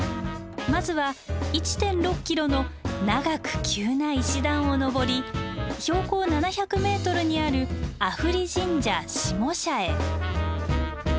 まずは１．６ｋｍの長く急な石段を上り標高７００ｍにある阿夫利神社下社へ。